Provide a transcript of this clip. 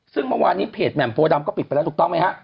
ซึ่งเมื่อวานนี้เพจแหม่มโพดำก็ปิดไปแล้วถูกต้องไหมฮะ